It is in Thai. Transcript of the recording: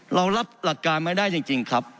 เรารับหลักการไม่ได้จริงครับ